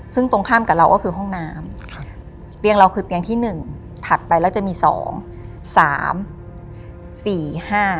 ซึ่งตรงข้ามกับเราก็คือห้องน้ำครับเตียงเราคือเตียงที่หนึ่งถัดไปแล้วจะมีสองสามสี่ห้า